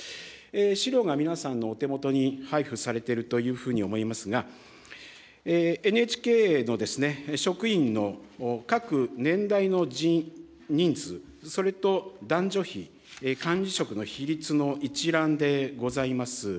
資料が皆さんのお手元に配付されてるというふうに思いますが、ＮＨＫの職員の各年代の人数、それと男女比、管理職の比率の一覧でございます。